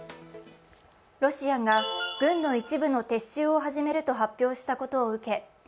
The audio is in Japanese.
ロシアが軍の一部の撤収を始めるとしたことを受け